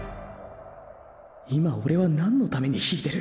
今オレは何のために引いてる。